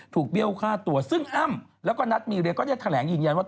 เบี้ยวฆ่าตัวซึ่งอ้ำแล้วก็นัทมีเรียก็ได้แถลงยืนยันว่า